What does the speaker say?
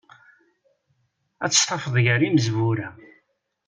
Ad tt-tafeḍ gar imezwura.